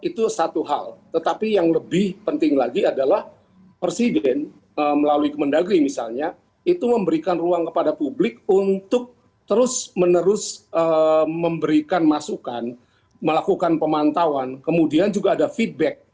itu satu hal tetapi yang lebih penting lagi adalah presiden melalui kementerian negeri misalnya itu memberikan ruang kepada publik untuk terus menerus memberikan masukan melakukan pemantauan kemudian juga ada feedback